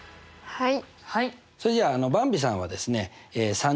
はい。